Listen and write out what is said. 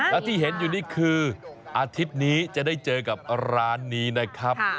แล้วที่เห็นอยู่นี่คืออาทิตย์นี้จะได้เจอกับร้านนี้นะครับ